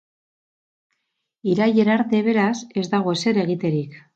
Irailera arte, beraz, ez dago ezer egiterik.